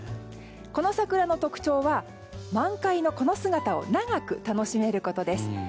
この桜の特徴は満開のこの姿を長く楽しめることです。